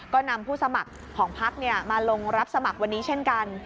ก็นำผู้สมัครของพักมาลงรับสมัครวันนี้เช่นกัน